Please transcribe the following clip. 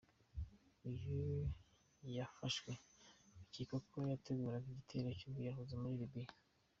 Uyu yafashwe bikekwa ko yateguraga igitero cy’ubwiyahuzi muri Libya.